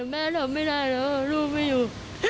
แม่ทำไม่ได้ลูกไม่อยู่